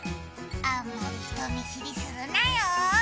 あんまり人見知りするなよ。